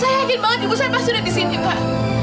saya yakin banget ibu saya pas sudah disini pak